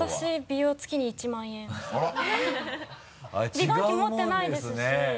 美顔器持ってないですし。